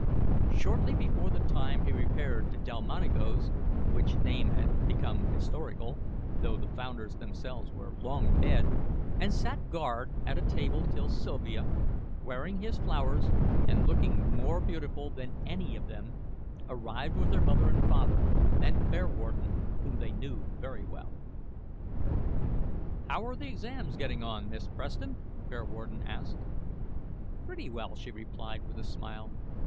Shortly before the time he repaired to Delmonico's which name had become historical, though the founders themselves were long dead and sat guard at a table till Sylvia, wearing his flowers and looking more beautiful than any of them, arrived with her mother and father, and Bearwarden, whom they knew very well. "How are the exams getting on, Miss Preston?" Bearwarden asked. "Pretty well," she replied, with a smile.